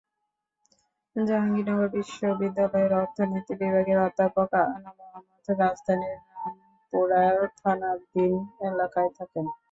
জাহাঙ্গীরনগর বিশ্ববিদ্যালয়ের অর্থনীতি বিভাগের অধ্যাপক আনু মুহাম্মদ রাজধানীর রামপুরা থানাধীন এলাকায় থাকেন।